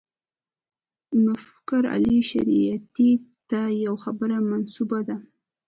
مفکر علي شریعیتي ته یوه خبره منسوبه ده.